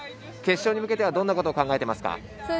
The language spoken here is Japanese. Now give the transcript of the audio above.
決勝に向けてはどんなことを考えていますか？